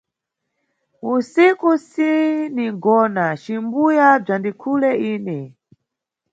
Usiku sinʼgona, cimbuya bzandikhule iwe.